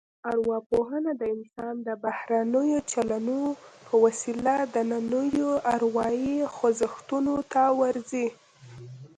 ارواپوهنه د انسان د بهرنیو چلنونو په وسیله دنننیو اروايي خوځښتونو ته ورځي